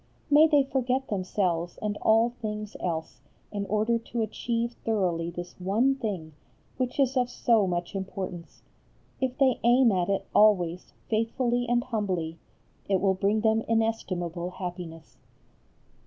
May they forget themselves and all things else in order to achieve thoroughly this one thing, which is of so much importance. If they aim at it always faithfully and humbly, it will bring them inestimable happiness.